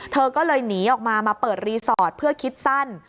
เธอก็เลยหนีออกมามาเปิดรีสอร์ทเพื่อคิดสั้น